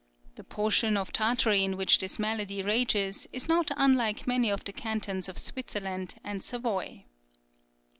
The portion of Tartary in which this malady rages is not unlike many of the cantons of Switzerland and Savoy.